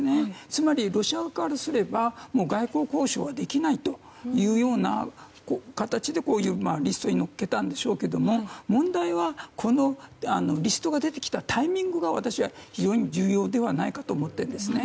つまり、ロシア側からすれば外交交渉はできないという形でこういうリストに載っけたんでしょうけども問題はリストが出てきたタイミングが私は非常に重要ではないかと思っているんですね。